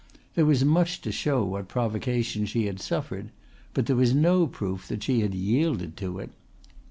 There was much to show what provocation she had suffered, but there was no proof that she had yielded to it.